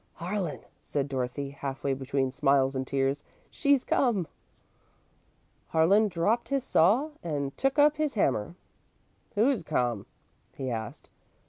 "Harlan," said Dorothy, half way between smiles and tears, "she's come." Harlan dropped his saw and took up his hammer. "Who's come?" he asked.